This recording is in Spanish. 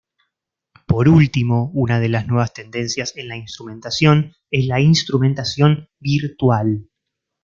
Por último, una de las nuevas tendencias en la instrumentación es la instrumentación virtual.